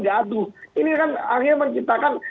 gaduh ini kan akhirnya menciptakan